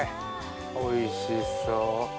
おいしそう。